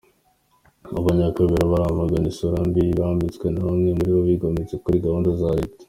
Abanyakabera” baramagana isura mbi bambitswe na bamwe muri bo bigometse kuri gahunda za Leta